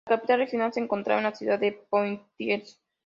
La capital regional se encontraba en la ciudad de Poitiers.